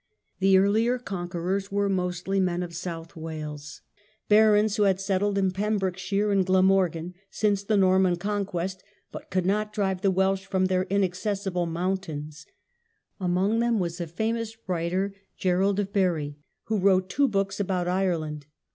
The earlier conquerors were mostly men of South Wales, barons who had settled in Pembrokeshire and Glamorgan since the Norman conquest but could not irdj^n^i £„ drive the Welsh from their inaccessible moun the xath cen tains. Among them was a famous writer, ^^^' Gerald of Barri, who wrote two books about Ireland.